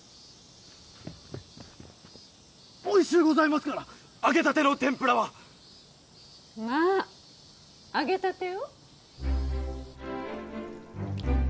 おいしゅうございますからッ揚げたての天ぷらはまあ揚げたてを？